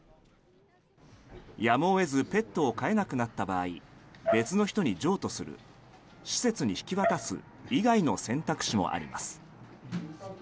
やむを得ずペットを飼えなくなった場合別の人に譲渡する施設に引き渡す以外の選択肢もあります。